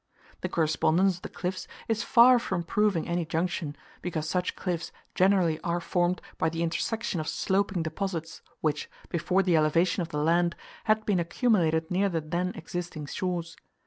The correspondence of the cliffs is far from proving any junction; because such cliffs generally are formed by the intersection of sloping deposits, which, before the elevation of the land, had been accumulated near the then existing shores.